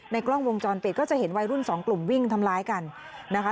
กล้องวงจรปิดก็จะเห็นวัยรุ่นสองกลุ่มวิ่งทำร้ายกันนะคะ